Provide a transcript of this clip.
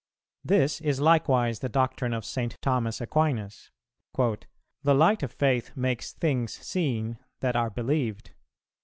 "[336:1] "This is likewise the doctrine of St. Thomas Aquinas: 'The light of Faith makes things seen that are believed.'